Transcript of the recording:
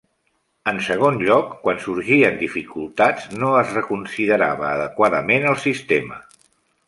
En segon lloc, quan sorgien dificultats, no es reconsiderava adequadament el sistema.